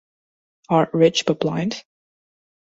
Art rich but blind?